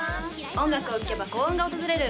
音楽を聴けば幸運が訪れる